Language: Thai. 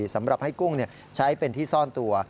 สำหรับให้กุ้งใช้เป็นที่ซ่อนตัว